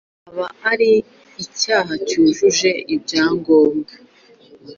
aba ari icyaha cyujuje ibyangombwa.